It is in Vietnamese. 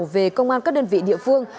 về công an các đơn vị địa phương